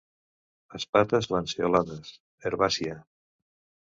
Espates lanceolades; herbàcia.